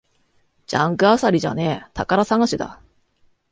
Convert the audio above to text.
ジャンク漁りじゃねえ、宝探しだ